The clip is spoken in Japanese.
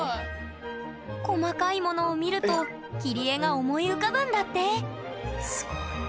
細かい物を見ると切り絵が思い浮かぶんだって！